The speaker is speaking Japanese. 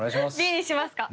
Ｂにしますか？